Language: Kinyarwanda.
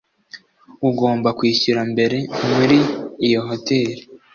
Ugomba kwishyura mbere muri iyo hoteri.